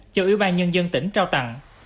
cho ủy ban nhân dân tỉnh trao tặng